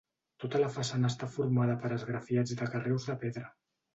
Tota la façana està formada per esgrafiats de carreus de pedra.